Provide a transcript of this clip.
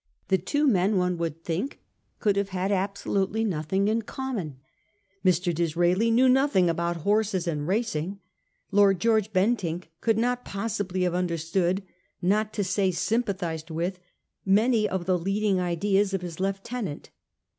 The two men, one would think, could have had absolutely nothing in common. Mr. Disraeli knew nothing about horses and racing. Lord George Bentinck could not possibly have understood, not to say sympathised with, many of the leading ideas of his lieutenant.